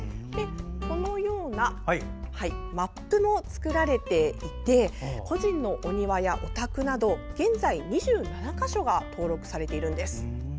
このようなマップも作られていて個人のお庭やお宅など現在２７か所が登録されています。